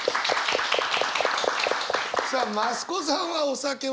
さあ増子さんはお酒は？